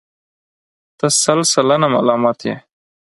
ته سل سلنه ملامت یې.